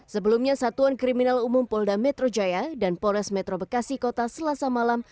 sebelumnya satuan kriminal umum polda metro jaya dan polres metro bekasi kota selasa malam